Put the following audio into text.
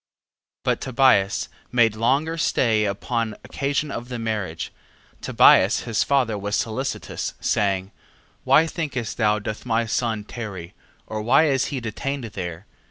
10:1. But as Tobias made longer stay upon occasion of the marriage, Tobias his father was solicitous, saying: Why thinkest thou doth my son tarry, or why is he detained there?